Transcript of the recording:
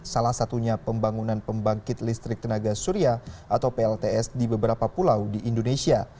salah satunya pembangunan pembangkit listrik tenaga surya atau plts di beberapa pulau di indonesia